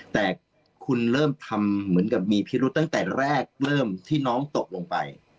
แต่คุณเริ่มทำเหมือนกับมีพิรุษตั้งแต่แรกเริ่มที่น้องตกลงไป